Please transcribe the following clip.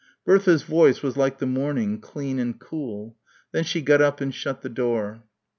Bertha's voice was like the morning, clean and cool.... Then she got up and shut the door.